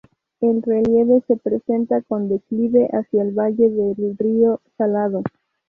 El relieve se presenta con declive hacia el valle del río Salado.